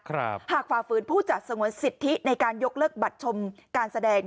หากฝ่าฝืนผู้จัดสงวนสิทธิในการยกเลิกบัตรชมการแสดง